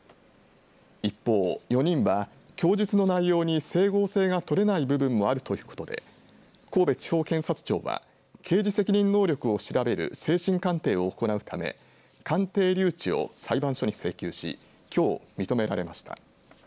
一方、４人は供述の内容に整合性が取れない部分もあるということで神戸地方検察庁は刑事責任能力を調べる精神鑑定を行うため鑑定留置を裁判所に請求しきょう認められました。